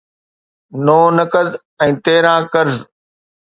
نو نقد ۽ تيرهن قرض